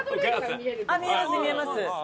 見えます見えます。